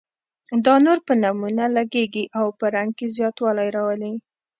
دا نور په نمونه لګیږي او په رنګ کې زیاتوالی راولي.